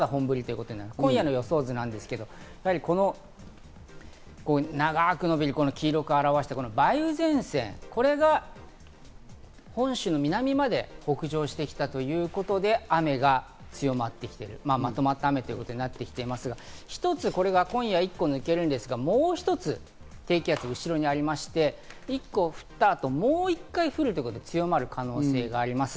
今夜の予想図ですけど、長くのびる黄色く表した梅雨前線、これが本州の南まで北上してきたということで、雨が強まってきている、まとまった雨ということになってきていますが、一つこれが今夜１個抜けるんですが、もう一つ低気圧が後ろにありまして、一個降った後、もう一回降るということで強まる可能性があります。